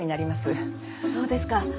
そうですか。